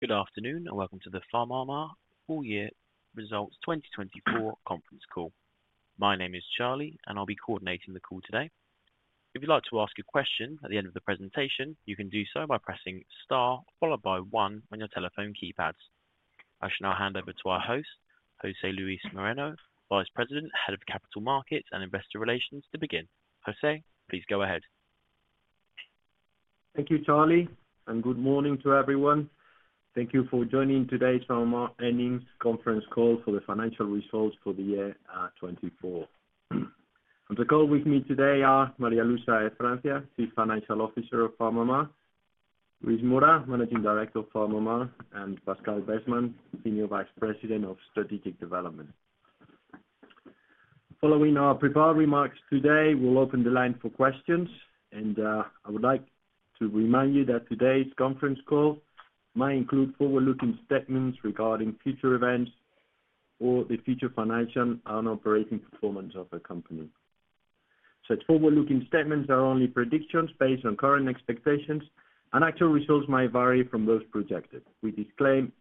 Good afternoon and welcome to the Pharma Mar For Year Results 2024 conference call. My name is Charlie, and I'll be coordinating the call today. If you'd like to ask a question at the end of the presentation, you can do so by pressing star followed by one on your telephone keypads. I shall now hand over to our host, José Luis Moreno, Vice President, Head of Capital Markets and Investor Relations, to begin. José, please go ahead. Thank you, Charlie, and good morning to everyone. Thank you for joining today's Pharma earnings conference call for the financial results for the year 2024. On the call with me today are María Luisa de Francia, Chief Financial Officer of Pharma Mar; Luis Mora, Managing Director of Pharma Mar; and Pascal Besman, Senior Vice President of Strategic Development. Following our prepared remarks today, we'll open the line for questions, and I would like to remind you that today's conference call may include forward-looking statements regarding future events or the future financial and operating performance of a company. Such forward-looking statements are only predictions based on current expectations, and actual results may vary from those projected. We disclaim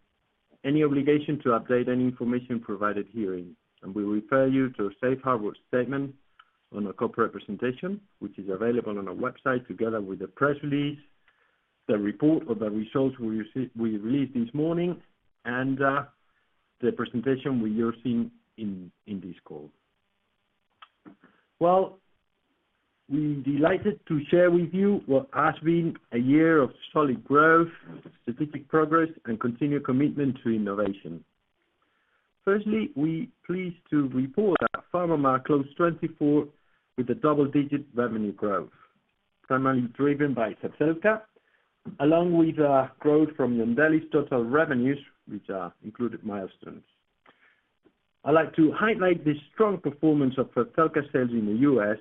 any obligation to update any information provided here, and we refer you to a safe harbor statement on a copy representation, which is available on our website together with the press release, the report of the results we released this morning, and the presentation we're using in this call. We are delighted to share with you what has been a year of solid growth, strategic progress, and continued commitment to innovation. Firstly, we're pleased to report that Pharma Mar closed 2024 with double-digit revenue growth, primarily driven by Sapselca, along with growth from Yondelis total revenues, which include milestones. I'd like to highlight the strong performance of Sapselca sales in the U.S.,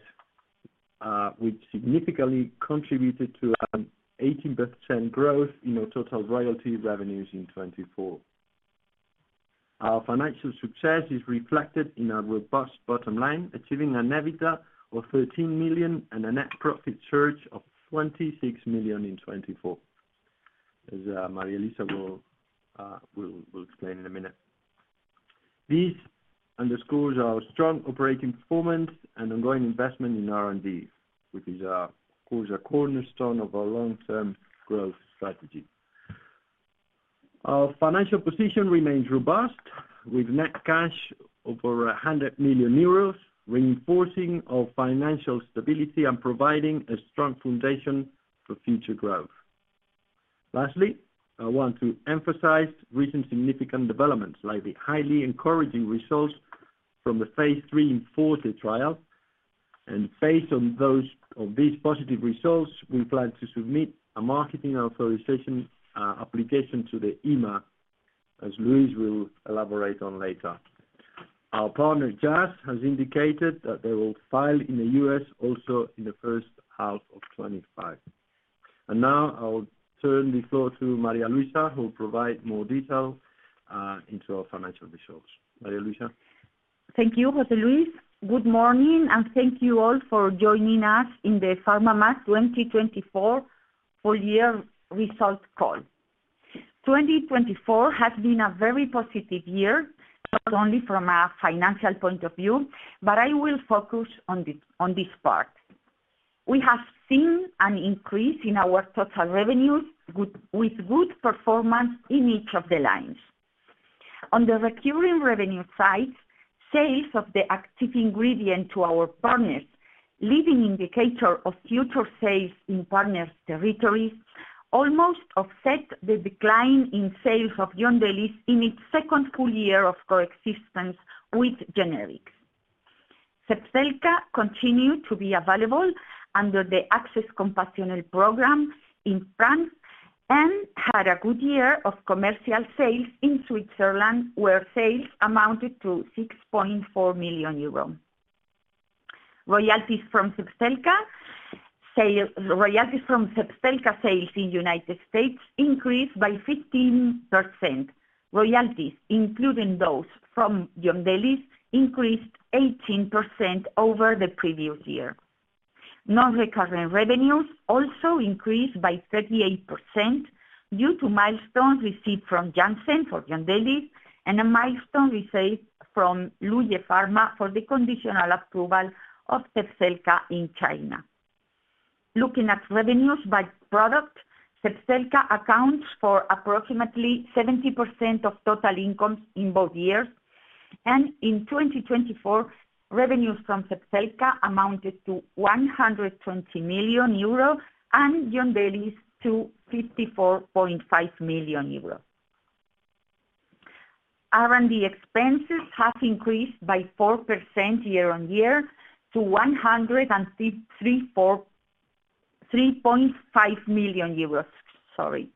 which significantly contributed to an 18% growth in our total royalty revenues in 2024. Our financial success is reflected in our robust bottom line, achieving an EBITDA of 13 million and a net profit surge of 26 million in 2024, as María Luisa will explain in a minute. This underscores our strong operating performance and ongoing investment in R&D, which is a cornerstone of our long-term growth strategy. Our financial position remains robust, with net cash over 100 million euros, reinforcing our financial stability and providing a strong foundation for future growth. Lastly, I want to emphasize recent significant developments, like the highly encouraging results from the phase III Enforcer trial. Based on these positive results, we plan to submit a marketing authorization application to the EMA, as Luis will elaborate on later. Our partner, Jazz, has indicated that they will file in the U.S. also in the first half of 2025. I'll turn the floor to María Luisa, who will provide more detail into our financial results. María Luisa. Thank you, José Luis. Good morning, and thank you all for joining us in the Pharma Mar 2024 Four Year Results call. 2024 has been a very positive year, not only from a financial point of view, but I will focus on this part. We have seen an increase in our total revenues with good performance in each of the lines. On the recurring revenue side, sales of the active ingredient to our partners, leading indicator of future sales in partner territories, almost offset the decline in sales of Yondelis in its second full year of coexistence with generics. Sapselca continued to be available under the Access Compassionate Program in France and had a good year of commercial sales in Switzerland, where sales amounted to 6.4 million euros. Royalties from Sapselca sales in the United States increased by 15%. Royalties, including those from Yondelis, increased 18% over the previous year. Non-recurring revenues also increased by 38% due to milestones received from Janssen for Yondelis and a milestone received from Luye Pharma for the conditional approval of Sapselca in China. Looking at revenues by product, Sapselca accounts for approximately 70% of total incomes in both years, and in 2024, revenues from Sapselca amounted to 120 million euros and Yondelis' to 54.5 million euros. R&D expenses have increased by 4% year-on-year to 134 million euros EUR 3.5 million sorry,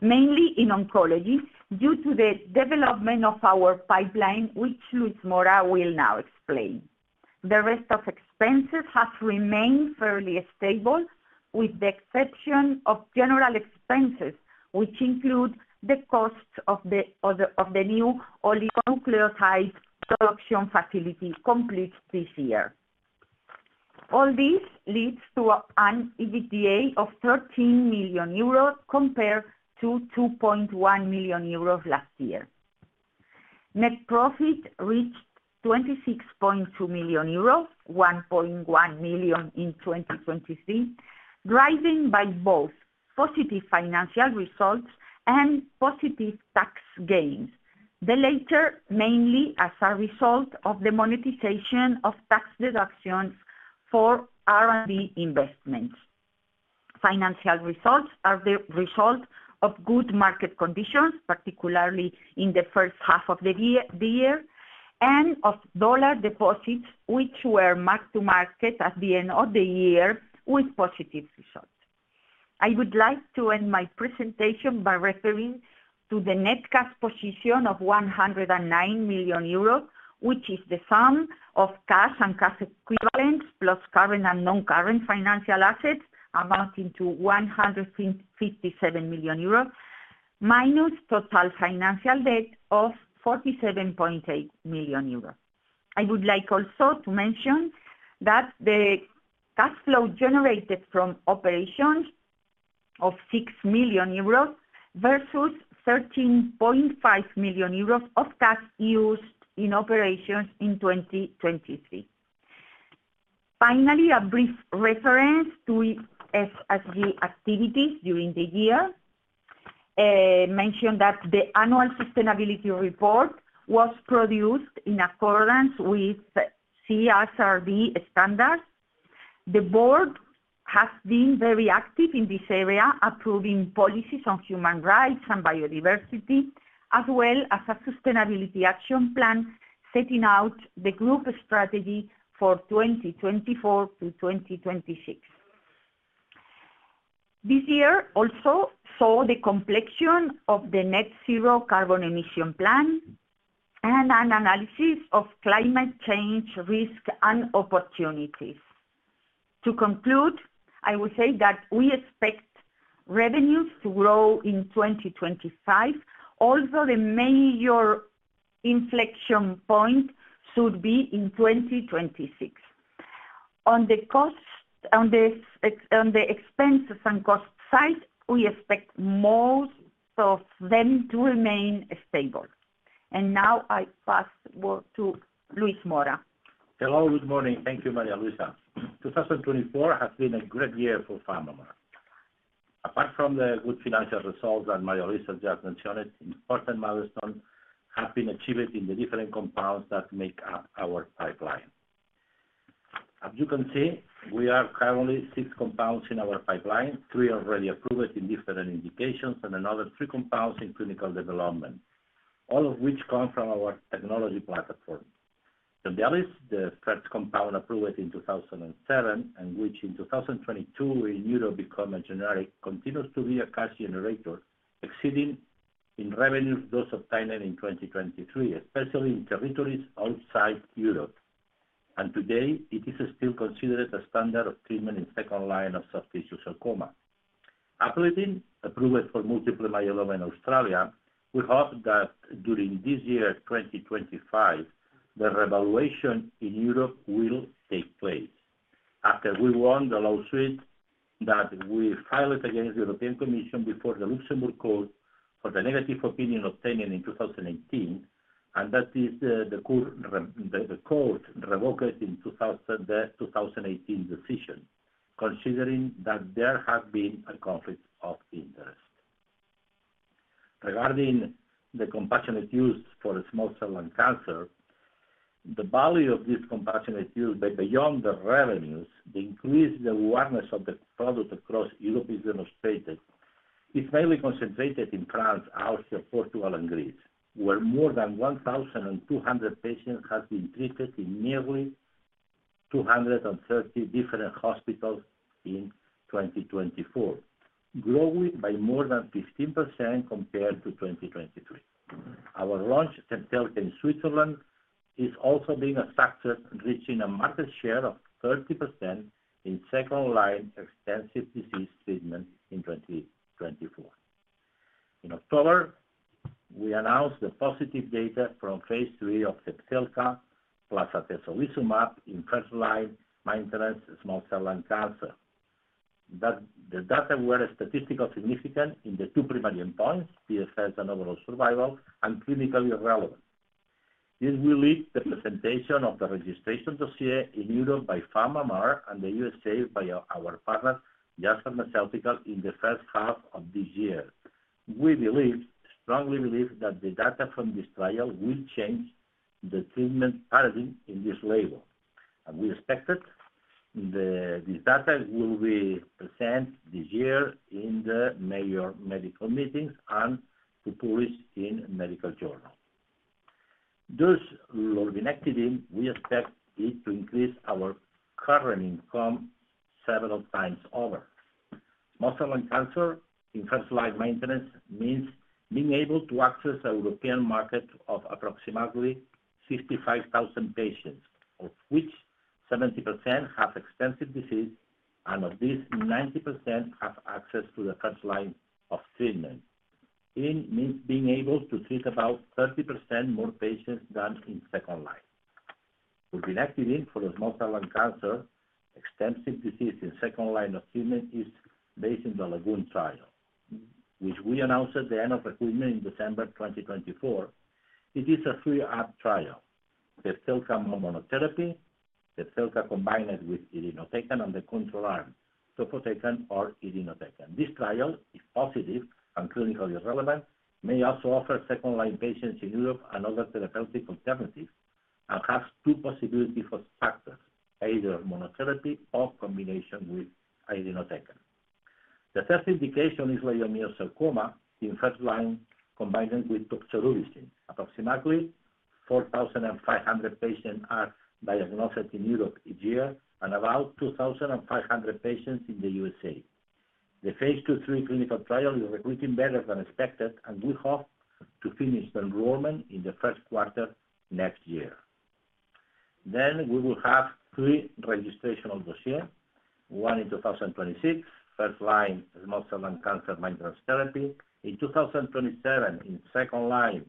mainly in oncology due to the development of our pipeline, which Luis Mora will now explain. The rest of expenses have remained fairly stable, with the exception of general expenses, which include the cost of the new oligonucleotide production facility complete this year. All this leads to an EBITDA of 13 million euros compared to 2.1 million euros last year. Net profit reached 26.2 million euros, 1.1 million in 2023, driven by both positive financial results and positive tax gains, the latter mainly as a result of the monetization of tax deductions for R&D investments. Financial results are the result of good market conditions, particularly in the first half of the year, and of dollar deposits, which were marked to market at the end of the year with positive results. I would like to end my presentation by referring to the net cash position of 109 million euros, which is the sum of cash and cash equivalents plus current and non-current financial assets amounting to 157 million euros, minus total financial debt of 47.8 million euros. I would like also to mention that the cash flow generated from operations of 6 million euros versus 13.5 million euros of cash used in operations in 2023. Finally, a brief reference to SSG activities during the year. I mentioned that the annual sustainability report was produced in accordance with CSRD standards. The board has been very active in this area, approving policies on human rights and biodiversity, as well as a sustainability action plan setting out the group strategy for 2024 to 2026. This year also saw the completion of the net zero carbon emission plan and an analysis of climate change risk and opportunities. To conclude, I will say that we expect revenues to grow in 2025, although the major inflection point should be in 2026. On the expenses and cost side, we expect most of them to remain stable. I pass the word to Luis Mora. Hello, good morning. Thank you, María Luisa. 2024 has been a great year for Pharma Mar. Apart from the good financial results that María Luisa just mentioned, important milestones have been achieved in the different compounds that make up our pipeline. As you can see, we are currently six compounds in our pipeline, three already approved in different indications, and another three compounds in clinical development, all of which come from our technology platform. Yondelis, the third compound approved in 2007, and which in 2022 in Europe became a generic, continues to be a cash generator exceeding in revenues those obtained in 2023, especially in territories outside Europe. Today, it is still considered a standard of treatment in the second line of soft tissue sarcoma. Aplidin, approved for multiple myeloma in Australia, we hope that during this year, 2025, the revaluation in Europe will take place. After we won the lawsuit that we filed against the European Commission before the Luxembourg Court for the negative opinion obtained in 2018, and that the Court revoked in the 2018 decision, considering that there had been a conflict of interest. Regarding the compassionate use for small cell lung cancer, the value of this compassionate use beyond the revenues, the increase in awareness of the product across Europe is demonstrated. It's mainly concentrated in France, Austria, Portugal, and Greece, where more than 1,200 patients have been treated in nearly 230 different hospitals in 2024, growing by more than 15% compared to 2023. Our launch Sapselca in Switzerland is also being a factor, reaching a market share of 30% in second-line extensive disease treatment in 2024. In October, we announced the positive data from phase III of Sapselca plus atezolizumab in first-line maintenance small cell lung cancer. The data were statistically significant in the two primary endpoints, PFS and overall survival, and clinically relevant. This will lead to the presentation of the registration dossier in Europe by Pharma Mar and the U.S. via our partner, Jazz Pharmaceuticals, in the first half of this year. We strongly believe that the data from this trial will change the treatment paradigm in this label. We expect that this data will be presented this year in the major medical meetings and published in a medical journal. Those lurbinectedin, we expect it to increase our current income several times over. Small cell lung cancer in first-line maintenance means being able to access the European market of approximately 65,000 patients, of which 70% have extensive disease, and of these, 90% have access to the first line of treatment, means being able to treat about 30% more patients than in second line. Lurbinectedin for the small cell lung cancer, extensive disease in second line of treatment is based on the LAGOON trial, which we announced at the end of recruitment in December 2024. It is a three-arm trial: Sapselca monotherapy, Sapselca combined with Irinotecan, and the control arm, Topotecan or Irinotecan. This trial, if positive and clinically relevant, may also offer second-line patients in Europe and other therapeutic alternatives and has two possibilities for factors, either monotherapy or combination with Irinotecan. The third indication is leiomyosarcoma in first line combined with Doxorubicin. Approximately 4,500 patients are diagnosed in Europe each year and about 2,500 patients in the United States. The phase II-phase III clinical trial is recruiting better than expected, and we hope to finish the enrollment in the first quarter next year. We will have three registrational dossiers, one in 2026, first-line small cell lung cancer maintenance therapy, in 2027 in second line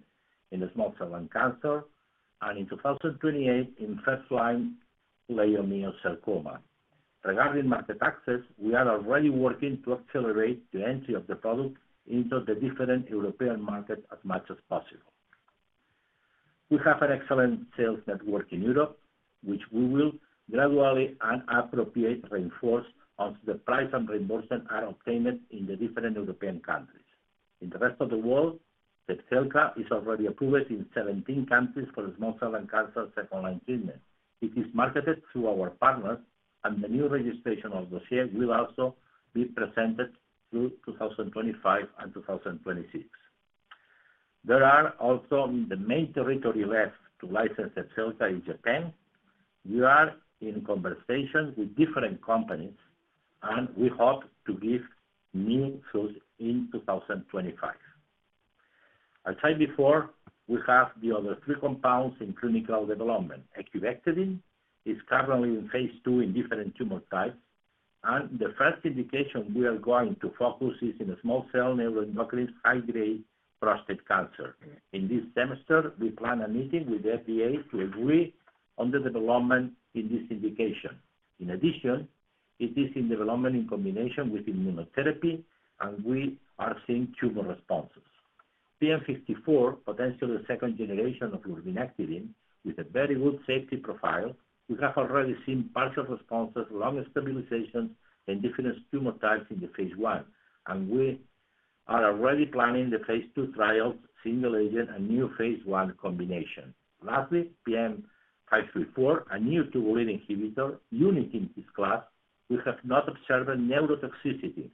in the small cell lung cancer, and in 2028 in first line leiomyosarcoma. Regarding market access, we are already working to accelerate the entry of the product into the different European markets as much as possible. We have an excellent sales network in Europe, which we will gradually and appropriately reinforce once the price and reimbursement are obtained in the different European countries. In the rest of the world, Sapselca is already approved in 17 countries for the small cell lung cancer second-line treatment. It is marketed through our partners, and the new registrational dossier will also be presented through 2025 and 2026. There is also the main territory left to license Sapselca in Japan. We are in conversation with different companies, and we hope to give new tools in 2025. As I said before, we have the other three compounds in clinical development. Equivectadin is currently in phase II in different tumor types, and the first indication we are going to focus on is in the small cell neuroendocrine high-grade prostate cancer. In this semester, we plan a meeting with the FDA to agree on the development in this indication. In addition, it is in development in combination with immunotherapy, and we are seeing tumor responses. PM54, potentially the second generation of lurbinectedin, with a very good safety profile, we have already seen partial responses, longer stabilizations in different tumor types in the phase I, and we are already planning the phase II trials, single agent, a new phase I combination. Lastly, PM534, a new tubulin inhibitor, unit in this class, we have not observed neurotoxicity,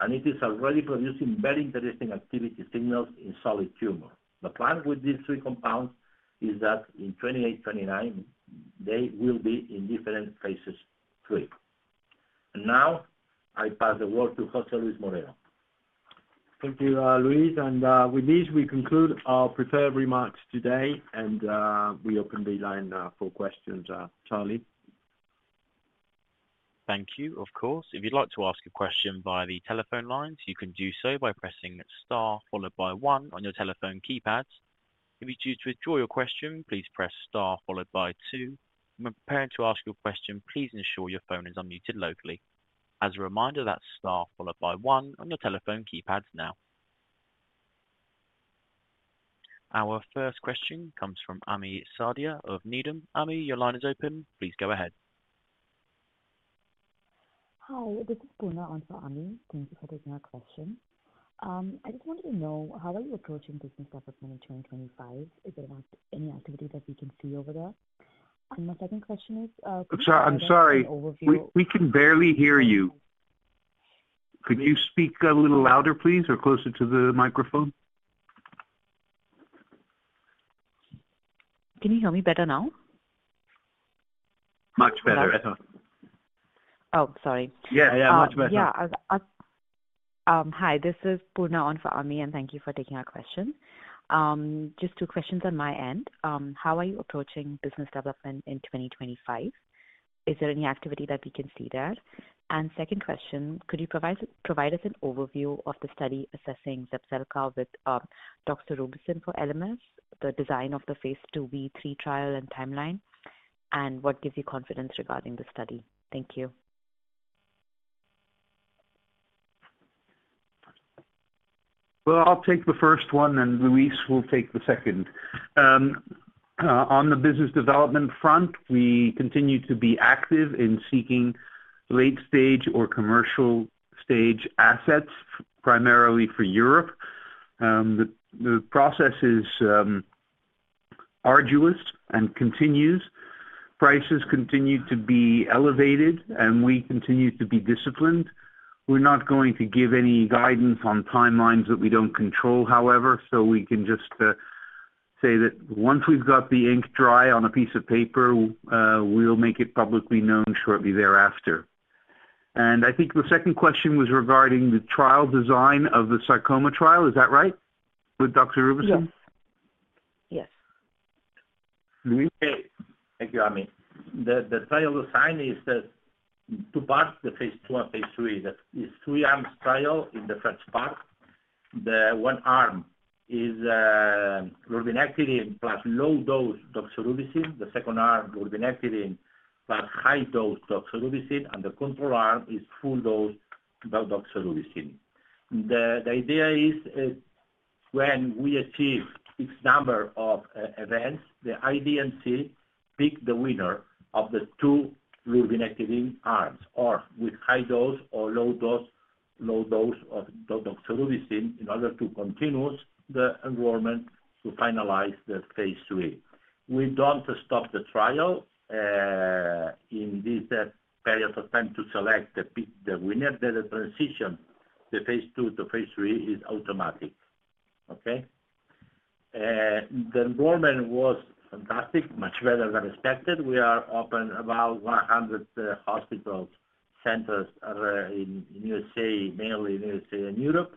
and it is already producing very interesting activity signals in solid tumor. The plan with these three compounds is that in 2028, 2029, they will be in different phases III. Now I pass the word to José Luis Moreno. Thank you, Luis, and with this, we conclude our prepared remarks today, and we open the line for questions. Charlie. Thank you, of course. If you'd like to ask a question via the telephone lines, you can do so by pressing Star followed by One on your telephone keypads. If you choose to withdraw your question, please press Star followed by Two. When preparing to ask your question, please ensure your phone is unmuted locally. As a reminder, that's Star followed by One on your telephone keypads now. Our first question comes from Amy Sadia of Needham & Company. Amy, your line is open. Please go ahead. Hi, this is Puna on for Amy. Thank you for taking our question. I just wanted to know, how are you approaching business development in 2025? Is there any activity that we can see over there? My second question is, could you give us an overview? I'm sorry. We can barely hear you. Could you speak a little louder, please, or closer to the microphone? Can you hear me better now? Much better. Oh, sorry. Yeah, yeah, much better. Hi, this is Puna on for Amy, and thank you for taking our question. Just two questions on my end. How are you approaching business development in 2025? Is there any activity that we can see there? Second question, could you provide us an overview of the study assessing Sapselca with doxorubicin for LMS, the design of the phase II-phase III trial and timeline, and what gives you confidence regarding the study? Thank you. I'll take the first one, and Luis will take the second. On the business development front, we continue to be active in seeking late-stage or commercial-stage assets, primarily for Europe. The process is arduous and continues. Prices continue to be elevated, and we continue to be disciplined. We're not going to give any guidance on timelines that we don't control, however, so we can just say that once we've got the ink dry on a piece of paper, we'll make it publicly known shortly thereafter. I think the second question was regarding the trial design of the sarcoma trial. Is that right, with doxorubicin? Yes. Yes. Thank you, Amy. The trial design is two parts, the phase II and phase III. It's a three-arm trial in the first part. The one arm is lurbinectedin plus low-dose doxorubicin. The second arm, lurbinectedin plus high-dose doxorubicin, and the control arm is full-dose doxorubicin. The idea is when we achieve X number of events, the IDMC picks the winner of the two lurbinectedin arms, or with high-dose or low-dose doxorubicin in order to continue the enrollment to finalize the phase III. We don't stop the trial in this period of time to select the winner. The transition, the phase II to phase III, is automatic. Okay? The enrollment was fantastic, much better than expected. We are open about 100 hospital centers in the U.S., mainly in the U.S. and Europe,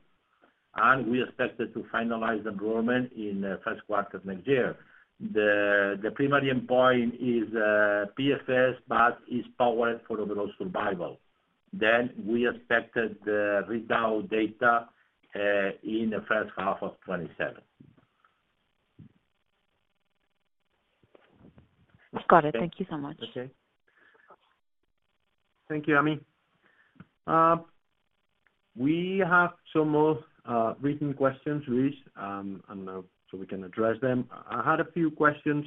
and we expect to finalize enrollment in the first quarter of next year. The primary endpoint is PFS, but it's powered for overall survival. We expected the readout data in the first half of 2027. Got it. Thank you so much. Okay. Thank you, Amy. We have some more written questions, Luis, so we can address them. I had a few questions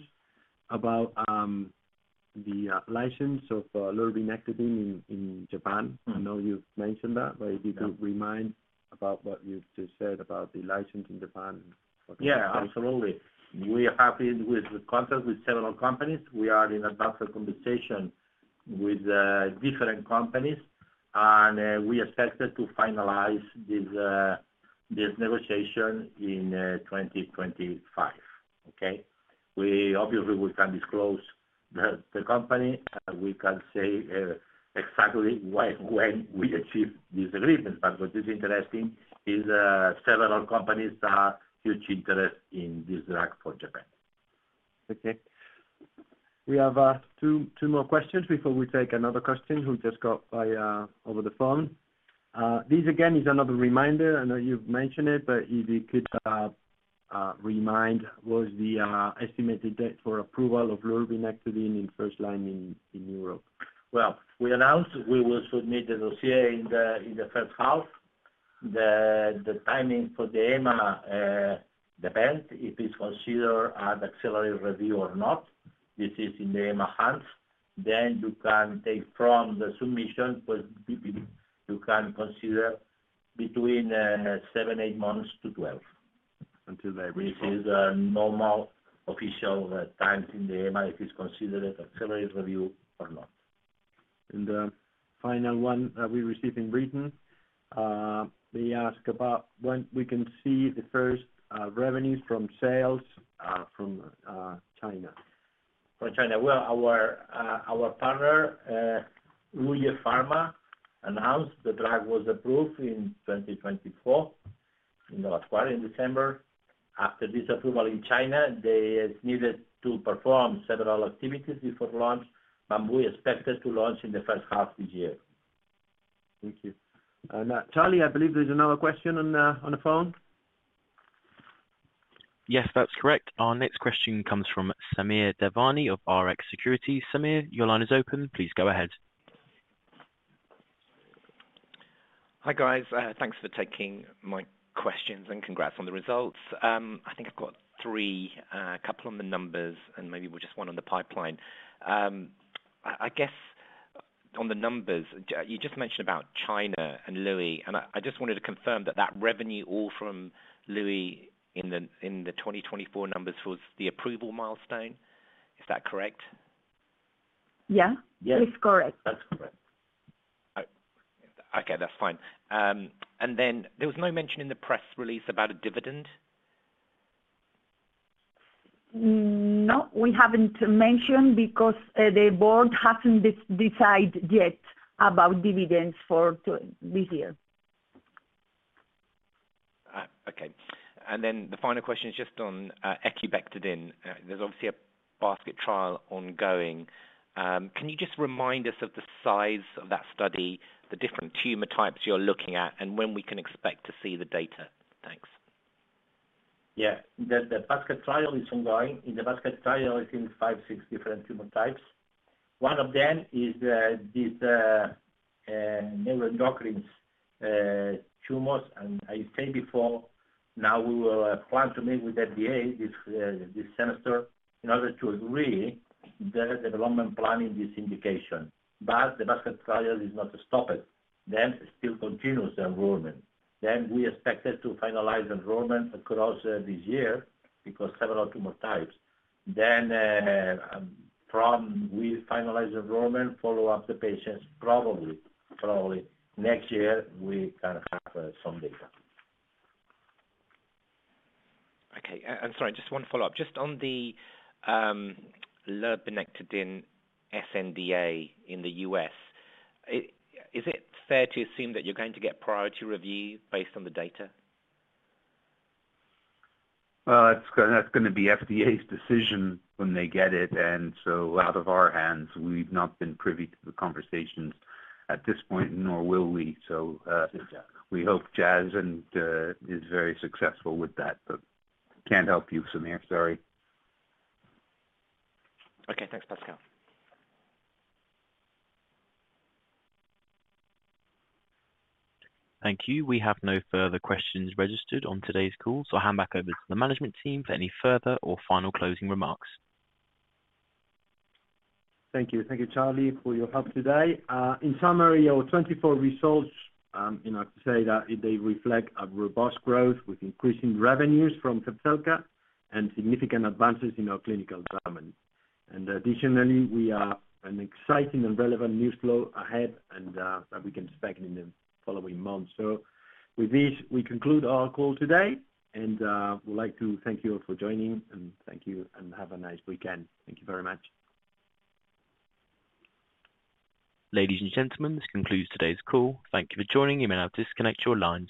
about the license of lurbinectedin in Japan. I know you've mentioned that, but if you could remind about what you just said about the license in Japan. Yeah, absolutely. We are happy with the contact with several companies. We are in advanced conversation with different companies, and we expect to finalize this negotiation in 2025. Okay? Obviously, we can disclose the company. We can say exactly when we achieve this agreement. What is interesting is several companies have huge interest in this drug for Japan. Okay. We have two more questions before we take another question who just got over the phone. This, again, is another reminder. I know you've mentioned it, but if you could remind, what was the estimated date for approval of Lurbinectedin in first-line in Europe? We announced we will submit the dossier in the first half. The timing for the EMA depends if it's considered as accelerated review or not. This is in the EMA hands. You can take from the submission, you can consider between seven-eight months-12 months. Until they respond. This is the normal official times in the EMA if it's considered accelerated review or not. The final one that we received in Britain, they ask about when we can see the first revenues from sales from China. From China. Our partner, Luye Pharma, announced the drug was approved in 2024, in the last quarter, in December. After this approval in China, they needed to perform several activities before launch, and we expect to launch in the first half of this year. Thank you. Charlie, I believe there's another question on the phone. Yes, that's correct. Our next question comes from Samir Devani of RX Securities. Samir, your line is open. Please go ahead. Hi, guys. Thanks for taking my questions and congrats on the results. I think I've got three, a couple on the numbers, and maybe just one on the pipeline. I guess on the numbers, you just mentioned about China and Luye, and I just wanted to confirm that that revenue all from Luye in the 2024 numbers was the approval milestone. Is that correct? Yeah, it's correct. That's correct. Okay, that's fine. There was no mention in the press release about a dividend? No, we haven't mentioned because the board hasn't decided yet about dividends for this year. Okay. The final question is just on Equivectadin. There's obviously a basket trial ongoing. Can you just remind us of the size of that study, the different tumor types you're looking at, and when we can expect to see the data? Thanks. Yeah. The basket trial is ongoing. The basket trial is in five, six different tumor types. One of them is these neuroendocrine tumors, and I said before, now we will plan to meet with the FDA this semester in order to agree the development plan in this indication. The basket trial is not to stop it. It still continues enrollment. We expect to finalize enrollment across this year because several tumor types. From when we finalize enrollment, follow up the patients probably next year, we can have some data. Okay. I'm sorry, just one follow-up. Just on the lurbinectedin sNDA in the U.S., is it fair to assume that you're going to get priority review based on the data? That's going to be FDA's decision when they get it, and out of our hands, we've not been privy to the conversations at this point, nor will we. We hope Jazz is very successful with that, but can't help you, Samir. Sorry. Okay. Thanks, Pascal. Thank you. We have no further questions registered on today's call, so I'll hand back over to the management team for any further or final closing remarks. Thank you. Thank you, Charlie, for your help today. In summary, our 2024 results, I have to say that they reflect a robust growth with increasing revenues from Sapselca and significant advances in our clinical development. Additionally, we have an exciting and relevant news flow ahead that we can expect in the following months. With this, we conclude our call today, and we'd like to thank you all for joining, and thank you, and have a nice weekend. Thank you very much. Ladies and gentlemen, this concludes today's call. Thank you for joining. You may now disconnect your lines.